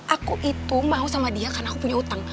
aku itu mau sama dia karena aku punya hutang